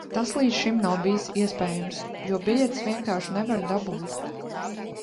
Tas līdz šim nav bijis iespējams, jo biļetes vienkārši nevar dabūt.